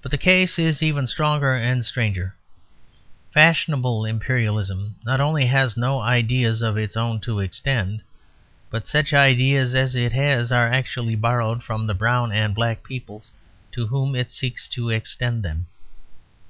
But the case is even stronger and stranger. Fashionable Imperialism not only has no ideas of its own to extend; but such ideas as it has are actually borrowed from the brown and black peoples to whom it seeks to extend them.